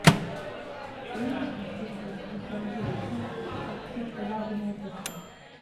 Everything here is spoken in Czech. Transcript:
O jejich úspěšnosti se lze dočíst v sekci Prováděné testy.